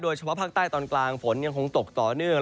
เฉพาะภาคใต้ตอนกลางฝนยังคงตกต่อเนื่อง